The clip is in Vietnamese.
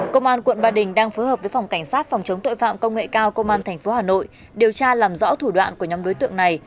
công an quận ba đình đang phối hợp với phòng cảnh sát phòng chống tội phạm công nghệ cao công an tp hà nội điều tra làm rõ thủ đoạn của nhóm đối tượng này